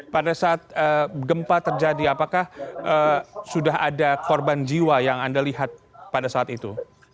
pada saat gempa terjadi apakah sudah ada korban jiwa yang anda lihat pada saat itu